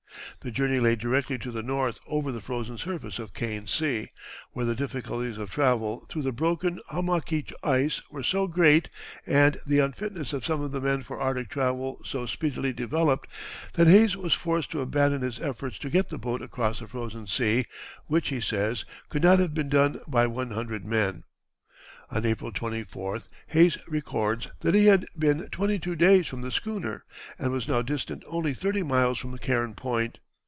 The journey lay directly to the north over the frozen surface of Kane Sea, where the difficulties of travel through the broken hummocky ice were so great, and the unfitness of some of the men for Arctic travel so speedily developed, that Hayes was forced to abandon his efforts to get the boat across the frozen sea, which, he says, "could not have been done by one hundred men." On April 24th Hayes records that he had been twenty two days from the schooner, and was now distant only thirty miles from Cairn Point.